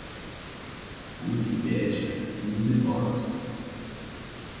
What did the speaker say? Wikipedia e os idosos.